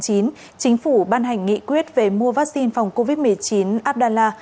chính phủ ban hành nghị quyết về mua vaccine phòng covid một mươi chín abdallah